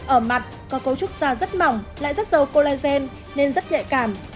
ở mặt có cấu trúc da rất mỏng lại rất dầu collagen nên rất nhạy cảm